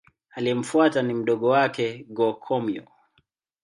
Aliyemfuata ni mdogo wake Go-Komyo.